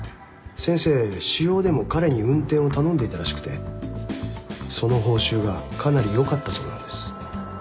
先生私用でも彼に運転を頼んでいたらしくてその報酬がかなり良かったそうなんです。